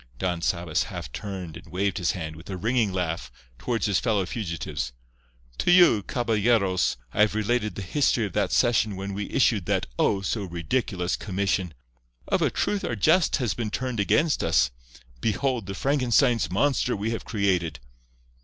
Don Sabas half turned and waved his hand, with a ringing laugh, toward his fellow fugitives. "To you, caballeros, I have related the history of that session when we issued that O! so ridiculous commission. Of a truth our jest has been turned against us. Behold the Frankenstein's monster we have created!"